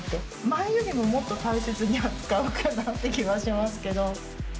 前よりももっと大切に扱うかなっていう気はしますけど。